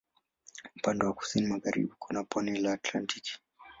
Upande wa kusini magharibi kuna pwani la Atlantiki.